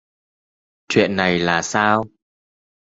Chuyện này là sao